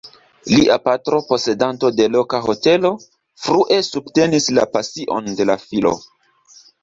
Lia patro, posedanto de loka hotelo, frue subtenis la pasion de la filo.